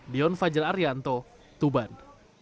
leon fajar arianto tuban